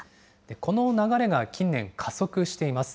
この流れが近年、加速しています。